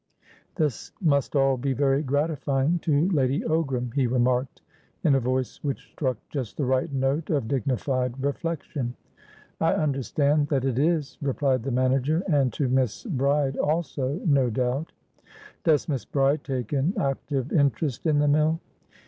"This must all be very gratifying to Lady Ogram," he remarked, in a voice which struck just the right note of dignified reflection. "I understand that it is," replied the manager. "And to Miss Bride also, no doubt." "Does Miss Bride take an active interest in the mill?"